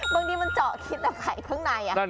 บางทีมันเจาะคิดแบบไข่ข้างใน